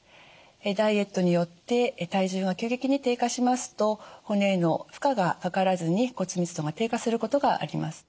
ダイエットによって体重が急激に低下しますと骨への負荷がかからずに骨密度が低下することがあります。